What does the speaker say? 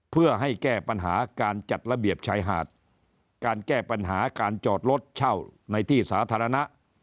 เพื่อให้แก้ปัญหาการจัดระเบียบชายหาดการแก้ปัญหาการจอดรถเช่าในที่สาธารณะ